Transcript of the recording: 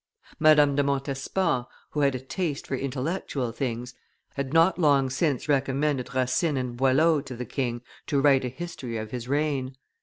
Madame de Montespan, who had a taste for intellectual things, had not long since recommended Racine and Boileau to the king to write a history of his reign.